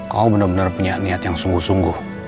kau bener bener punya niat yang sungguh sungguh